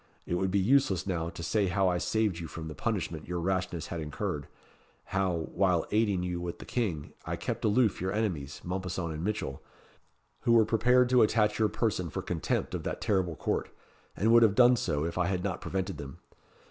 It would be useless now to say how I saved you from the punishment your rashness had incurred how, while aiding you with the King, I kept aloof your enemies, Mompesson and Mitchell, who were prepared to attach your person for contempt of that terrible court, and would have done so, if I had not prevented them.